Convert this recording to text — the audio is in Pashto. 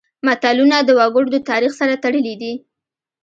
متلونه د وګړو د تاریخ سره تړلي دي